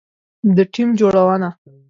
د ټیم جوړونه